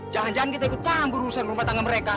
jangan jangan kita ikut campur rusak berhubung tangga mereka